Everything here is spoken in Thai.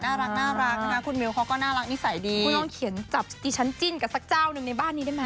น่ารักนะคะคุณมิวเขาก็น่ารักนิสัยดีคุณลองเขียนจับดิฉันจิ้นกับสักเจ้าหนึ่งในบ้านนี้ได้ไหม